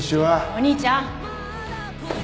お兄ちゃん！